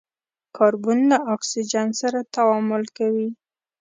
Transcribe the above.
کاربن له اکسیجن سره تعامل کوي.